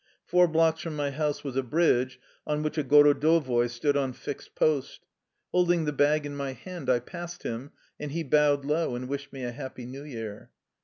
Four blocks from my house was a bridge on which a gorodovoi stood on fixed post. Holding the bag in my hand, I passed him, and he bowed low and wished me a happy New Year.